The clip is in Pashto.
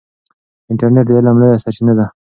انټرنیټ د علم لویه سرچینه ده.